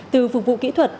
từ phục vụ kỹ thuật